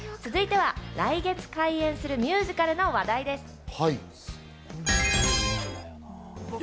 続いては来月開演するミュージカルの話題です。